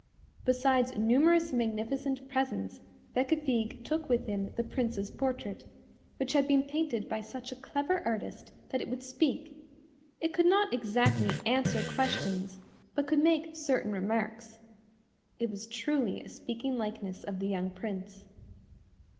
Besides numerous magnificent presents, Bécafigue took with him the Prince's portrait, which had been painted by such a clever artist that it would speak; it could not exactly answer questions, but could make certain remarks. It was truly a speaking likeness of the young Prince.